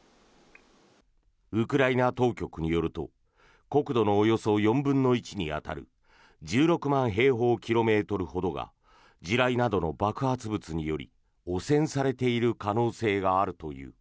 ウクライナ当局によると国土のおよそ４分の１に当たる１６万平方キロメートルほどが地雷などの爆発物により汚染されている可能性があるという。